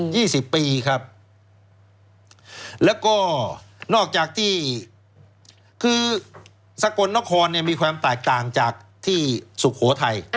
สิบปีครับแล้วก็นอกจากที่คือสกลนครเนี่ยมีความแตกต่างจากที่สุโขทัย